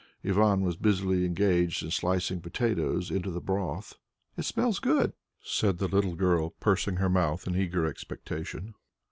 Ivan was busily engaged in slicing potatoes into the broth. "It smells good," said the little girl, pursing her mouth in eager expectation.